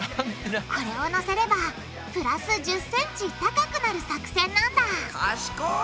これをのせればプラス１０ｃｍ高くなる作戦なんだ賢い！